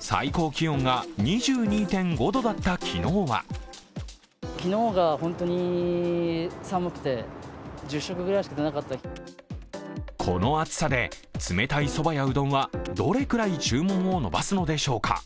最高気温が２２．５度だった昨日はこの暑さで冷たいそばやうどんはどれくらい注文を伸ばすのでしょうか？